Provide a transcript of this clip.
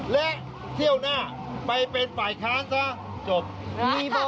และเที่ยวหน้าไปเป็นฝ่ายค้านซะจบ